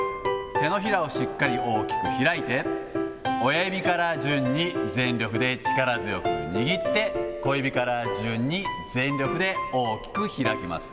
手のひらをしっかり大きく開いて、親指から順に全力で力強く握って、小指から順に全力で大きく開きます。